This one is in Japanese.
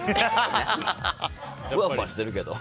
ふわふわしてるけど。